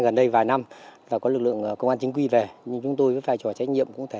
gần đây vài năm là có lực lượng công an chính quy về nhưng chúng tôi với vai trò trách nhiệm cụ thể